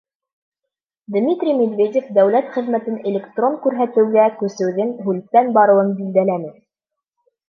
Дмитрий Медведев дәүләт хеҙмәтен электрон күрһәтеүгә күсеүҙең һүлпән барыуын билдәләне.